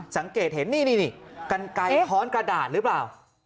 สังเกตเห็นนี่กันไกลค้อนกระดาษหรือเปล่า